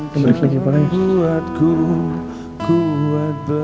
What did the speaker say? kamu balik lagi ke mana